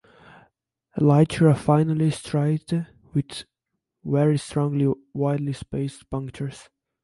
Elytra finely striate with very strong widely spaced punctures.